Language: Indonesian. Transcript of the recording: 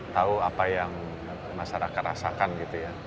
tahu apa yang masyarakat rasakan gitu ya